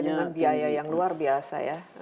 dengan biaya yang luar biasa ya